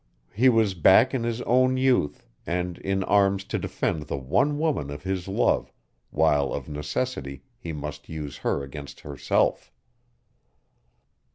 He was back in his own youth, and in arms to defend the one woman of his love, while of necessity he must use her against herself.